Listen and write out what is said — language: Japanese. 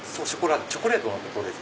チョコレートのことです。